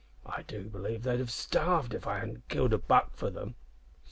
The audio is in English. I do believe they'd have starved if I hadn't killed a buck for them."